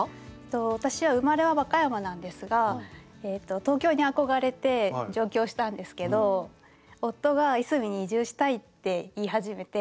私は生まれは和歌山なんですが東京に憧れて上京したんですけど夫が「いすみに移住したい」って言い始めて。